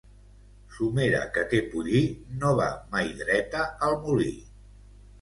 Somera que té pollí, no va mai dreta al molí.